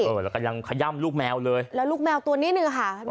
แล้วก็ยังขย่ำลูกแมวเลยแล้วลูกแมวตัวนิดนึงค่ะ